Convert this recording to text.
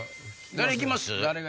誰行きます？